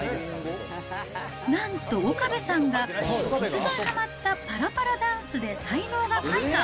なんと岡部さんが突然はまったパラパラダンスで才能が開花。